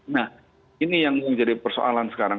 nah ini yang menjadi persoalan sekarang